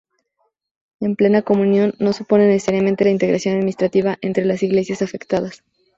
La plena comunión no supone necesariamente la integración administrativa entre las iglesias afectadas.